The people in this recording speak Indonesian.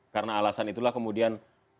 karena alasan itulah kemudian